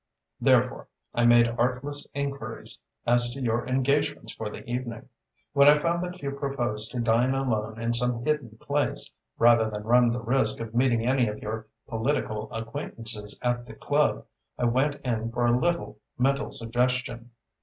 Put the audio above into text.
Therefore, I made artless enquiries as to your engagements for the evening. When I found that you proposed to dine alone in some hidden place rather than run the risk of meeting any of your political acquaintances at the club, I went in for a little mental suggestion."